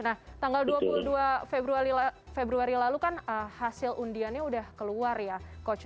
nah tanggal dua puluh dua februari lalu kan hasil undiannya sudah keluar ya coach